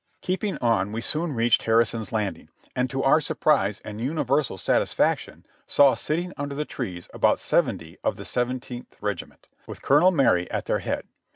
Keeping on we soon reached Harrison's Landing, and to our surprise and universal satisfaction saw sitting under the trees about seventy of the Seventeenth Regiment, with Colonel Marye at their head.